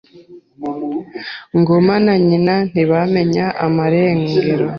Ngoma na nyina ntibamenya amarengero